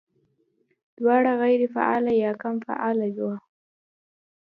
دواړه غېر فعاله يا کم فعاله وي